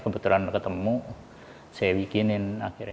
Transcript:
kebetulan ketemu saya bikinin